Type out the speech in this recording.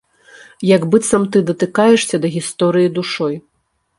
Як быццам ты датыкаешся да гісторыі душой.